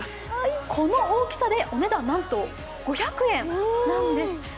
この大きさでお値段なんと５００円なんです。